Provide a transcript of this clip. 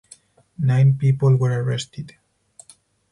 Nine people were arrested.